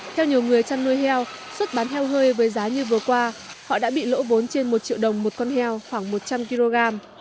theo nhiều người chăn nuôi heo xuất bán heo hơi với giá như vừa qua họ đã bị lỗ vốn trên một triệu đồng một con heo khoảng một trăm linh kg